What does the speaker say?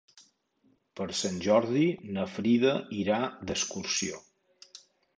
Per Sant Jordi na Frida irà d'excursió.